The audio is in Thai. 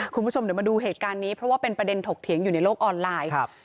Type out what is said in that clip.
คุณผู้ชมเดี๋ยวมาดูเหตุการณ์นี้เพราะว่าเป็นประเด็นถกเถียงอยู่ในโลกออนไลน์